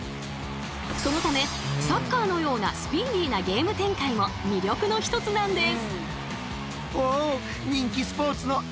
そのためサッカーのようなスピーディーなゲーム展開も魅力の一つなんです。